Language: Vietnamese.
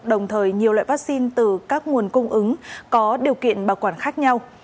đồng thời nhiều loại vaccine từ các nguồn cung ứng có điều kiện bảo quản khác nhau